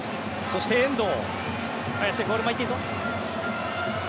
そして遠藤。